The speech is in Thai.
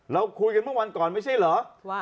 เราคุยกันเมื่อวันก่อนไม่ใช่เหรอว่า